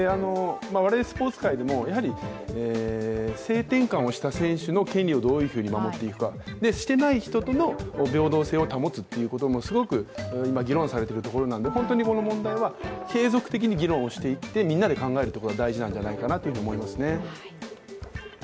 スポーツ界でもやはり性転換をした選手の権利をどう守っていくか、してない人との平等性を保つということも今、すごく議論されているところなので、この問題は継続的に議論してみんなで考えることが大事なんじゃないかと思いますね。